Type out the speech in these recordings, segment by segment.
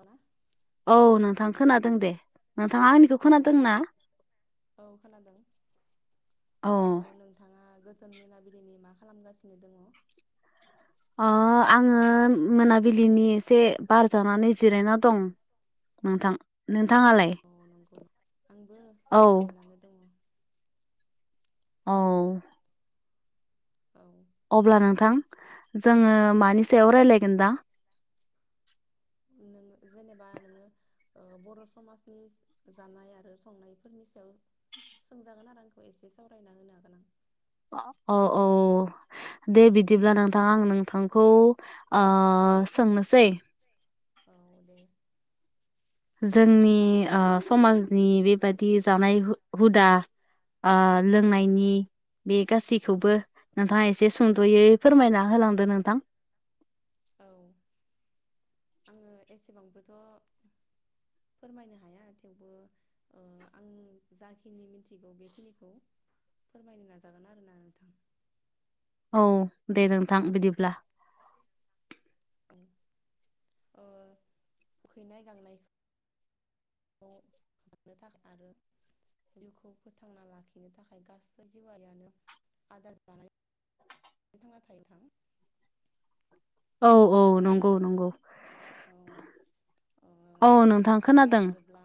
ना औ नोंथां खोनादों दे नोंथाङा आंनिखौ औ मा खोनादोंना औ खोनादों औ नोंथाङा गोजोन मोनाबिलिनि मा खालामगासिनो दङ ओ आङो मोनाबिलिनि एसे बार जानानै जिरायना दं नोंथां नोंथाङालाय औ आंबो औ जिरायनानै दङ अ अब्ला नोंथां जोङो मानि सायाव राज्लायगोन दा उ जेनेबा नोङो बर' समाजनि जानाय आरो संनायफोरनि सायाव सोंजागोन आरो आंखौ एसे सावरायना होनो हागोन आं औ औ दे बिदिब्ला नोंथां आं नोंथांखौ सोंनोसै औ दे जोंनि ओ समाजनि बेबादि जानाय हुदा ओ औ लोंनायनि बे गासैखौबो नोंथाङा एसे सुंद'यै फोरमायना होलांदो नोंथां औ आङो एसेबांबोथ' फोरमायनो हाया थेवबो आं जाखिनि मिथिगौ बेखिनिखौ फोरमायनो नाजागोन आरोना नोंथां औ दे नोंथां बिदिब्ला औ उखैनाय गांनाय खालामनो थाखाय आरो जिउखौ फोथांना लाखिनो थाखाय गासै जिउआरियानो आदार जानाय थ थाङा थायो थां औ औ नंगौ नंगौ औ ओ औ नोंथां आदार खोनादों जायोब्ला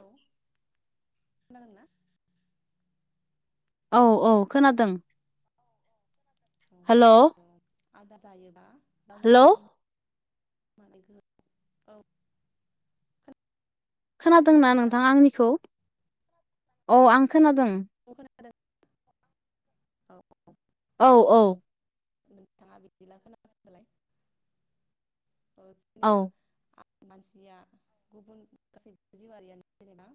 औ खोनादोंना औ औ हेलौ औ खोनादों हेल' औ आदार जायोबा गावनि माने औ खोनादोंना नोंथां आंनिखौ अ आं खोनादों। औ खोनादों औ औ औ नोंथाङा बिदिब्ला खोनासंदोलाय औ जेनेबा मानसिया गुबुन गासै जिउआरियानो जेनेबा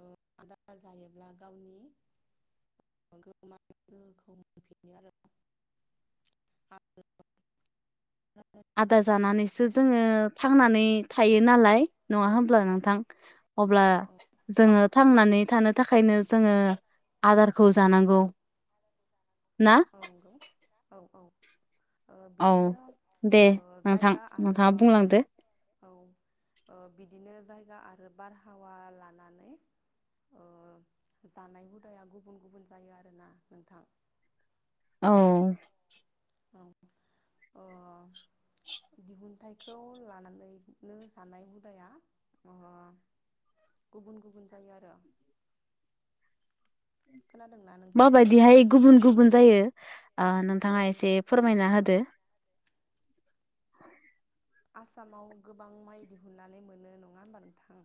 औ आदार जायोब्ला गावनि [unintelligible] गोहोखौ मोनफिनो आरो ना [inaudible] आदार जानानैसो जोङो थांनानै थायो नालाय औ नङा होमब्ला नोंथां अब्ला औ जोंङो औ थांनानै थानो थाखायनो जोंङो आदारखौ जानांगौ ना औ नंगौ औ औ ओ औ बिदिनो दे ओ नोंथां जायगा आरो नोंथाङा बुंलांदो औ ओ बिदिनो जायगा आरो बारहावा लानानै ओ जानाय हुदाया गुबुन गुबुन जायो आरोना नोंथां। औ औ अ दिहुनथाइखौ लानानैनो सानाय हुदाया अ गुबुन गुबुन जायो आरो खोनादोंना नोंथाङा माबायदिहाय गुबुन गुबुन जायो? ओ औ नोंथाङा एसे ओ फोरमायना होदो। आसामाव गोबां माइ दिहुननानै मोनो नङा होमबा नोंथां।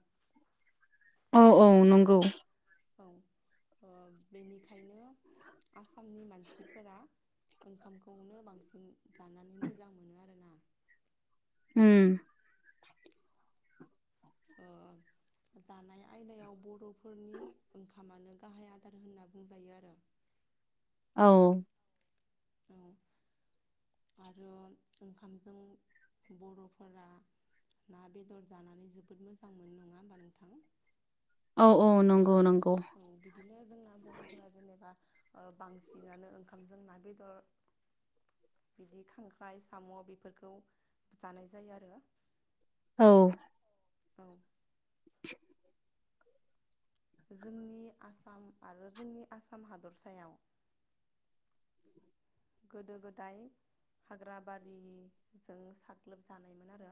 औ औ नंगौ औ बेनिखायनो आसामनि मानसिफोरा ओंखामखौनो बांसिन जानानै मोजां मोनो आरोना उम अ जानाय आयदायाव बर'फोरनि ओंखामानो गाहाय आदार होनना बुंजायो आरो [inaudible] औ औ आरो ओंखामजों बर'फोरा ना, बेदर जानानै जोबोद मोजां मोनो नङा होमबा नोंथां। औ औ नंगौ नंगौ औ बिदिनो जोंना बर'फोरा जेनेबा बांसिनानो ओंखामजों ना, बेदर बिदि खांख्राइ, साम' बेफोरखौ जानाय जायो आरो औ औ [inaudible] जोंनि आसाम आरो जोंनि आसाम हादरसायाव गोदो-गोदाय हाग्रा बारिजों साग्लोब जानायमोन आरो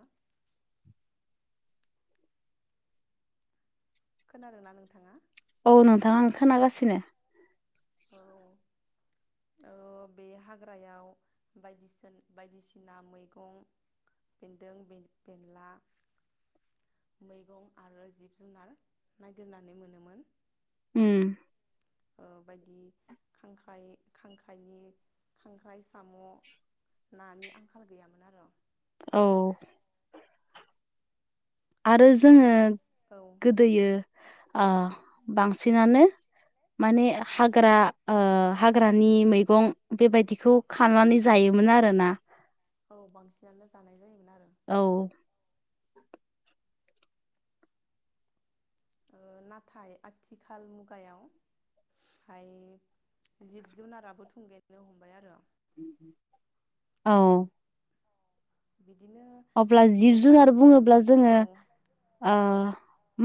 खोनादों ना नोंथाङा? औ नोंथाङा आं खोनागासिनो। औ बे हाग्रायाव बायदिसिना बायदिसिना मैगं बेन्दों बे बेनला मैगं आरो जिब जुनार नागिरनानै मोनोमोन उम बायदि खांख्राइ- खांख्राइनि खांख्राइ साम' नानि आंखाल गैयामोन आरो औ आरो जोंङो नाथाय औ गोदोयो बांसिनानो माने हाग्रा हाग्रानि औ मैगं बेबायदिखौ खानानै जायोमोन आरोना औ बांसिनानो जानाय जायोमोन आरो। औ नाथाय आथिखाल मुगायाव ओमफाय जिब जुनाराबो थुंगेयनो हमबाय आरो। औ बिदिनो अब्ला बिलो जिब जुनार जाम्फै बुङोब्ला जोङो औ ओ औ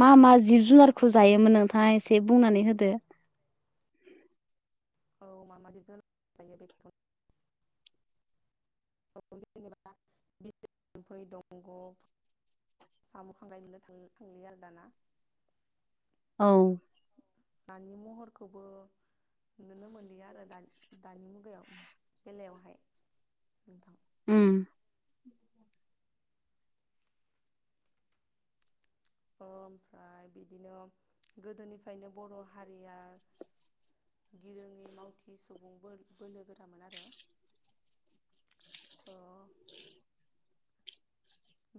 मा मा जिब जुनारखौ जायोमोन नोंथाङ एसे बुंनानै होदो औ माबादि जायो बेखौनो जेनेबा बिम्फै दंगब साम' खांखाय नुनो थांलि आरो दाना औ नानि महरखौबो नुनो मोनलिया आरो दानि मुगायाव बेलायावहाय नोंथां। उम ओमफ्राय बिदिनो गोदोनिफ्रायनो बर' हारिया गिरोङि मावथि सुबुं बोर बोलो गोरामोन आरो अ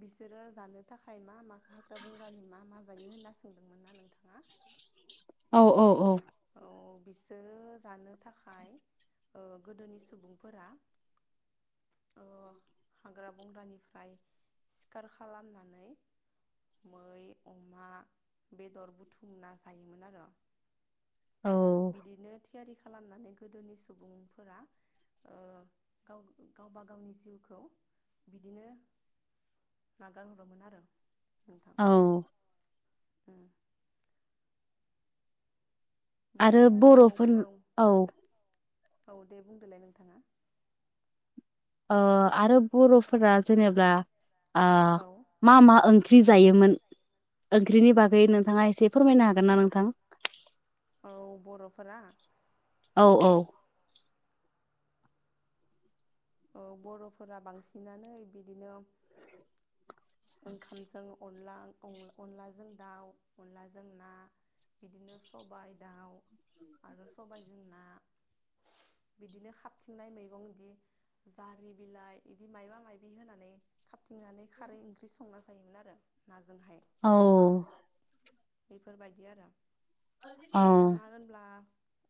बिसोरो जानो थाखाय मा मा हाग्रा बंग्रानि मा मा जायो होनना सोंदोंमोन ना नोंथाङा? [unintelligible] औ औ औ औ बिसोरो जानो थाखाय ओ गोदोनि सुबुंफोरा ओ हाग्रा बंग्रानिफ्राय सिखार खालामनानै मै अमा बेदर बुथुमना जायोमोन आरो। औ बिदिनो थियारि खालामनानै गोदोनि सुबुंफोरा ओ गाव गावबा गावनि जिउखौ बिदिनो नागारहरोमोन आरो नोंथां औ उम आरो बिदिनो न'आवबो बर'फोर औ औ दे बुंदोलाय नोंथाङा ओ आरो बर'फोरा जेनेबा ओ औ मा मा ओं ओंख्रि जायोमोन ओंख्रिनि बागै नोंथाङा एसे फोरमायनो हागोन ना नोंथां। औ बर'फोरा औ औ औ बर'फोरा बांसिनानो बिदिनो ओंखामजों अनला अनलाजों दाउ अनलाजों ना बिदिनो सबायाइ दाउ आरो सबायजों ना बिदिनो खाबथिंनाय मैगं बिदि जारि बिलाइ बिदि मायबा माइाबि होनानै थिंनानै खारै ओंख्रि संना जायोमोन आरो नाजोंहाय औ बेफोरबायदि आरो औ नोंथाङा होनब्ला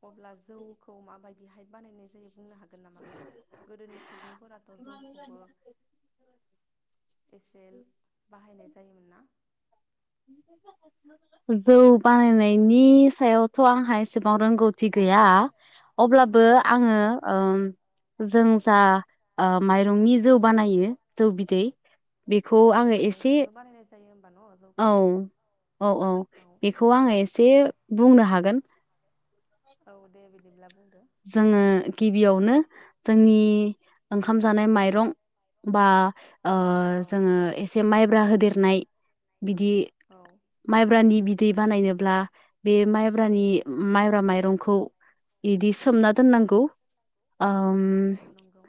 अब्ला जौखौ माबायदिहाय बानायनाय जायो। बुंनो हागोन नामा गोदोनि सुबुंफोराथ' जौखौबो एसे बाहायनाय जायोमोन ना। जौ बानायनायनि सायावथ' आंहा एसेबां रोंगौथि गै गैया अब्लाबो औ आङो ओ जों जा ओ माइरंनि जौ बानायो जौ बिदै बेखौ औ आङो एसे माइरंजोंनो बानायनाय जायो होमबा न' औ जौखौ औ औ बेखौ आङो एसे बुंनो हागोन। औ दे बिदिब्ला बुं जोङो गिबियावनो जोंनि ओंखाम जानाय माइरं बा ओ औ जोङो एसे माइब्रा होदेरनाय बिदि औ माइब्रानि बि दै बानायनोब्ला बे माइब्रानि माइब्रा माइरंखौ इदि स सोमना दोननांगौ ओम औ नंगौ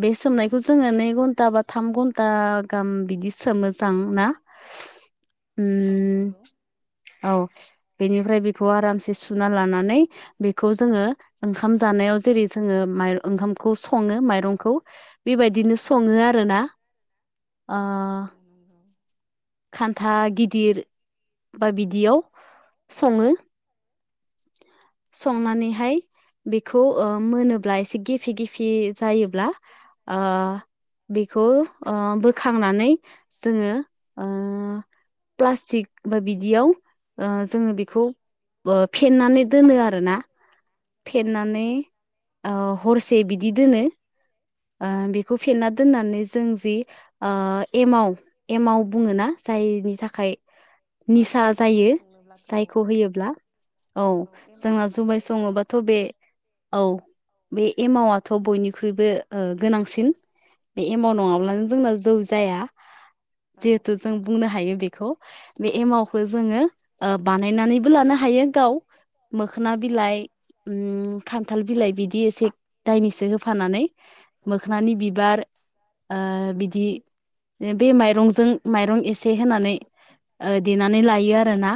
बे सोमनाय खौ जोङो नै घन्टा बा थाम घन्टा गाहाम बिदि सोमो जां ना? औ उम नंगौ। औ बेनिफ्राय बेखौ आरामसे सुना लानानै बेखौ जोङो ओंखाम जानायाव जेरै जोङो माइ ओंखामखौ सङो माइरंखौ बेबायदिनो सङो आरो। ना ओ औ नंगौ खान्था गिदिर बा बिदियाव सङो। औ संनानैहाय बेखौ मोनोब्ला एसे गेफि गेफि जायोब्ला ओ बेखौ ओ बोखांनानै जोङो प्लास्टिक बा बिदियाव ओ जोङो बेखौ फेन्नानै दोनो आर ना औ औ फेन्नानै हरसे बिदि दोनो। ओ बेखौ फेन्ना दोननानै जों जि एमाव एमाव बुङो ना जायनि थाखाय औ निसा जुमाय जायो संनोब्लाथ' औ जायखौ होयोब्ला। औ जोंहा एमावखौ जुमाय नांखागौ नालाय सङोबाथ' बे औ बे एमावआ थ' बयनिख्रुइबो गोनांसिन बे औ एमाउ नंगौ नङाब्लानो जोंना जौ जाया। औ जिहेथु जों बुंनो हायो बेखौ। बे एमावखौ जोङो बानायनानैबो लानो हायो गाव। मोखना औ बिलाइ खान्थाल बिलाइ बिदि एसे दायनैसो होफानानै। मोखोनानि बिबार ओ बिदि बे माइरंजों माइरं एसे होनानै देनानै लायो आरोना।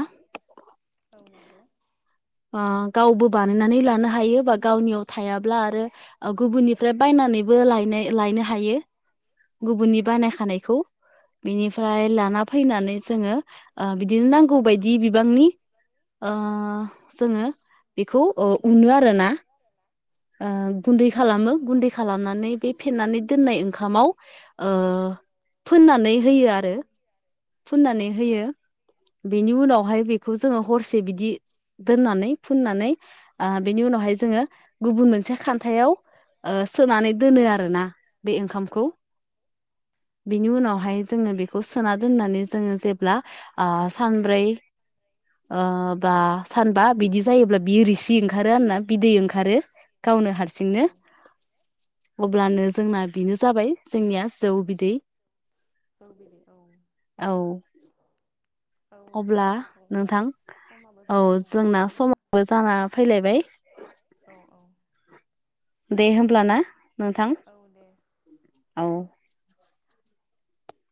औ नंगौ ओ गावबो बानायनानै लानो हायो बा गावनियाव थायाब्ला आरो गुबुननिफ्राय बायनानैबो लायनो लायनो हायो गुबुननि औ बानाय खानायखौ। बिनिफ्राय लाना फैनानै जोङो ओ बिदिनो नांगौ बायदि बिबांनि ओ जोङो बेखौ उनो आरोना। ओ गुन्दै औ खालामो नंगौ गुन्दै खालामनानै बे फेन्नानै दोननाय ओंखामाव फोननानै होयो आरो। औ फुननानै होयो। बेनि उनावहाय बेखौ जोङो हरसे बिदि दोननानै फुन्नानै ओ बेनि उनावहाय जोङो गुबुन मोनसे खान्थायाव ओ सोनानै दोनो आरो ना बे ओंखामखौ। [inaudible] बिनि औ औ उनावहाय जोंङो बेखौ सोना दोन्नानै जोङो जेब्ला ओ सानब्रै ओ बा सानबा बिदि जायोब्ला बियो रिसि ओंखारो आरोना बिदै ओंखारो। गावनो औ हारसिंनो। अब्लानो जोंना बेनो जाबाय जोंनिया जौ बिदै। जौ बिदै औ औ औ अब्ला जोंनाथ' दा नोंथां समाबो औ जाना थांबाय नङा जोंना होनब्ला? समाबो जाना फैलायबाय औ औ दे होमब्ला ना? औ दे। औ